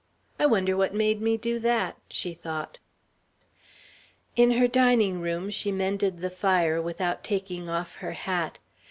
"I wonder what made me do that," she thought. In her dining room she mended the fire without taking off her hat.